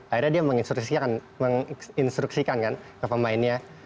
akhirnya dia menginstruksikan menginstruksikan kan ke pemainnya